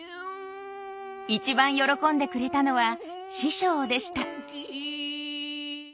一番喜んでくれたのは師匠でした。